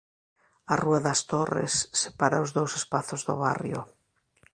A rúa das Torres separa os dous espazos do barrio.